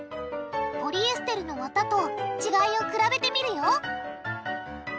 ポリエステルのわたと違いを比べてみるよ！